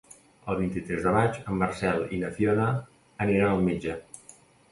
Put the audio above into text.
El vint-i-tres de maig en Marcel i na Fiona aniran al metge.